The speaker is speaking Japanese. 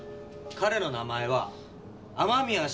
彼の名前は雨宮慎一郎。